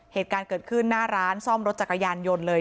เหตุการณ์เกิดขึ้นหน้าร้านซ่อมรถจักรยานยนต์เลย